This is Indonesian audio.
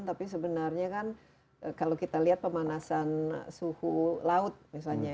tapi sebenarnya kan kalau kita lihat pemanasan suhu laut misalnya